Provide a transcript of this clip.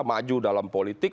maju dalam politik